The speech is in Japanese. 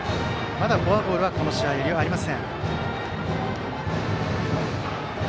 まだフォアボールはこの試合、ありません。